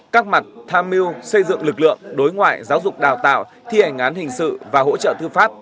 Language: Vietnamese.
các mặt tham mưu xây dựng lực lượng đối ngoại giáo dục đào tạo thi hành án hình sự và hỗ trợ thư pháp